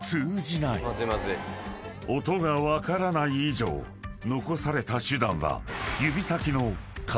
［音が分からない以上残された手段は］